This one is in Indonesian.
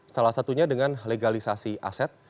salah satunya dengan legalisasi aset